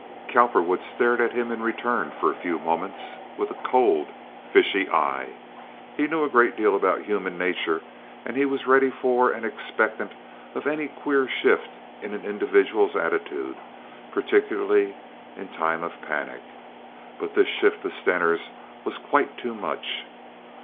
Cowperwood stared at him in return for a few moments with a cold, fishy eye. He knew a great deal about human nature, and he was ready for and expectant of any queer shift in an individual's attitude, particularly in time of panic; but this shift of Stener's was quite too much.